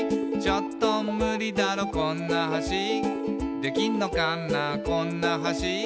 「ちょっとムリだろこんな橋」「できんのかなこんな橋」